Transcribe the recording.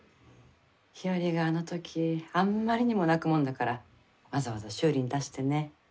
日和があのときあんまりにも泣くもんだからわざわざ修理に出してね。